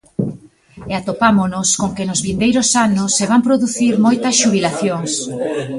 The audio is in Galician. E atopámonos con que nos vindeiros anos se van producir moitas xubilacións.